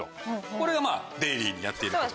これがデイリーにやっていること。